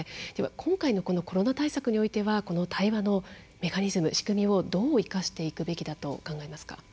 今回のコロナ対策においては対話のメカニズム仕組みをどう生かしていくべきだと考えますか？